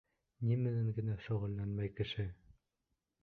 Ни менән генә шөғөлләнмәй кеше!